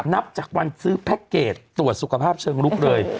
นับจากวันซื้อแพ็คเกจตรวจสุขภาพเชิงลุกเลย